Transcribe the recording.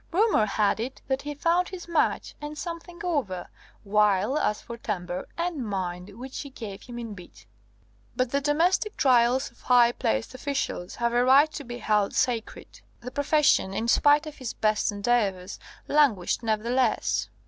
Rumour had it, that he found his match and something over; while as for temper and mind (which she gave him in bits). But the domestic trials of high placed officials have a right to be held sacred. The profession, in spite of his best endeavours, languished nevertheless.